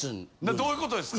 どういう事ですか？